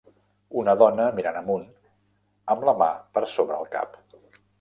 Una dona mirant amunt amb la mà per sobre el cap.